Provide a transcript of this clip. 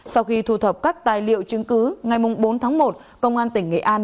sau khi thu thập các tài liệu chứng cứ ngày bốn tháng một công an tỉnh nghệ an